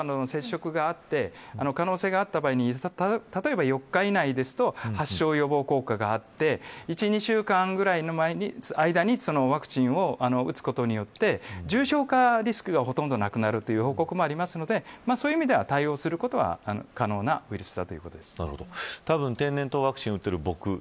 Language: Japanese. そういう動物とかの接触があった可能性があった場合に、例えば４日以内ですと発症予防効果があって１、２週間ぐらいの間にそのワクチンを打つことによって重症化リスクがほとんどなくなるという報告もありますのでそういう意味では対応することは可能なウイルスだたぶん天然痘ワクチンを打っている僕。